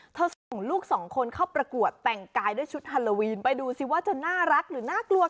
งานเล็กง่ายแต่งโจทย์สบายนี่แหละ